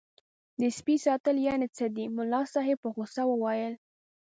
د سپي ساتل یعنې څه دي ملا صاحب په غوسه وویل.